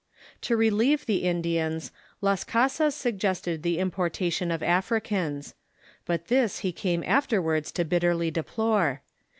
To relieve the Indians, Las Casas suggested the importation of Africans. But this he came af terwards to bitterly deplore.